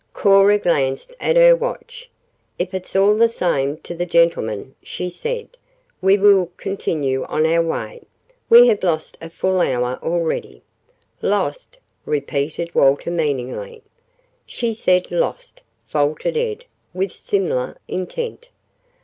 Cora glanced at her watch. "If it's all the same to the gentlemen," she said, "we will continue on our way. We have lost a full hour already." "Lost!" repeated Walter meaningly. "She said 'lost,'" faltered Ed with similar intent.